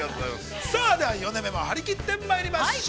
さあでは、４年目も張り切ってまいりましょう。